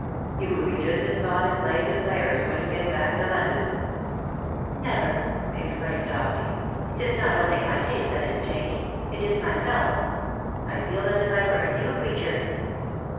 You will be just as fond of plays and players when you get back to London." " Never,''^ exclaimed Dopsy. " It is not only my taste that is changed. It is myself. I feel as if I were a new creature."